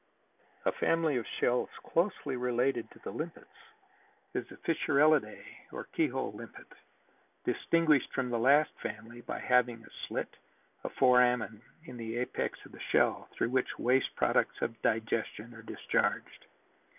A family of shells closely related to the limpets is the Fissurellidæ, or keyhole limpet, distinguished from the last family by having a slit or foramen in the apex of the shell, through which the waste products of digestion are discharged.